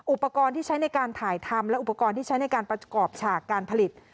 อุปกรณ์ที่ใช้ในการถ่ายทำและอุปกรณ์ที่ใช้ในการประกอบฉากการผลิต